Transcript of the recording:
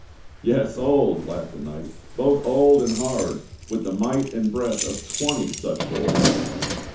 "Yes, old," laughed the knight, "both old and hard, wdth the might and breath of twenty such boys."